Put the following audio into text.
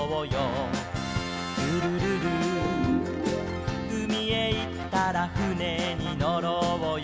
「ルルルル」「うみへいったらふねにのろうよ」